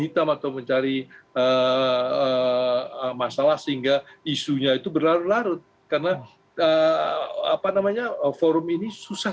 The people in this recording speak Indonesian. hitam atau mencari masalah sehingga isunya itu berlarut larut karena apa namanya forum ini susah